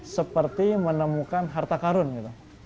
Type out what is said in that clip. seperti menemukan harta karun gitu